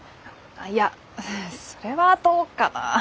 いやそれはどうかな。